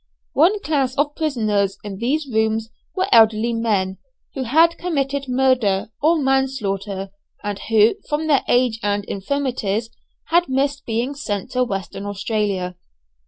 One class of prisoners in these rooms were elderly men, who had committed murder, or manslaughter, and who, from their age and infirmities had missed being sent to Western Australia.